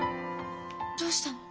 どうしたの？